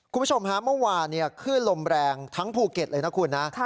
คุณผู้ชมฮะเมื่อวานคลื่นลมแรงทั้งภูเก็ตเลยนะคุณนะ